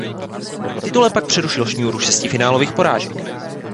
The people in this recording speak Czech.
Titulem tak přerušil šňůru šesti finálových porážek.